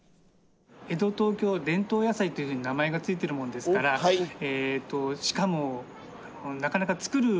江戸東京伝統野菜というふうに名前が付いてるもんですからしかもなかなか作る農家さんいないんですね。